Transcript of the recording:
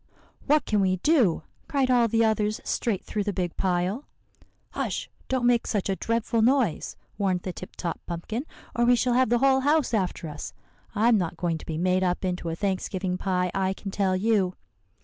"'What can we do?' cried all the others straight through the big pile. "'Hush don't make such a dreadful noise,' warned the Tip Top Pumpkin, 'or we shall have the whole house after us. I'm not going to be made up into a Thanksgiving pie, I can tell you.